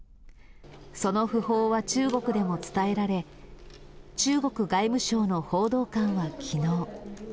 その訃報は中国でも伝えられ、中国外務省の報道官はきのう。